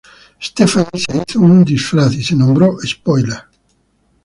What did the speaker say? Stephanie se hizo un disfraz, y se nombró Spoiler.